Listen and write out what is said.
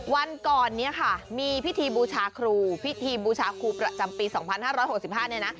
วันก่อนเนี้ยค่ะมีพิธีบูชาครูพิธีบูชาครูประจำปีสองพันห้าร้อยหกสิบห้านี้นะ